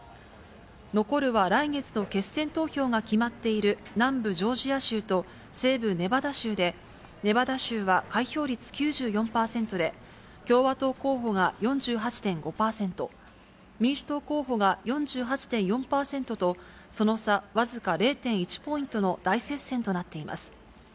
残るは、来月の決選投票が決まっている南部ジョージア州と、西部ネバダ州で、ネバダ州は開票率９４％で、共和党候補が４８．５％、民主党候補が４８．４％と、その差僅か０．１ポイントの大接戦となっています。